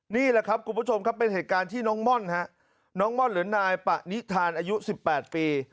นี่แหละครับคุณผู้ชมครับเป็นเหตุการณ์ที่น้องม่อนฮะน้องม่อนหรือนายปะนิทานอายุ๑๘ปี